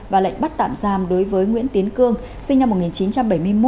và lệnh bắt tạm giam đối với nguyễn tiến cương sinh năm một nghìn chín trăm bảy mươi một